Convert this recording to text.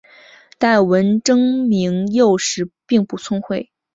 但文征明幼时并不聪慧。